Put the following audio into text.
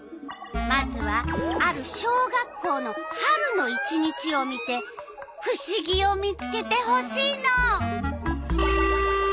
まずはある小学校の春の１日を見てふしぎを見つけてほしいの。